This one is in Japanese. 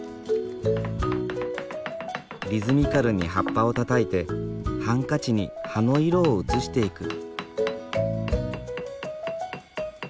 リズミカルに葉っぱをたたいてハンカチに葉の色を移していく。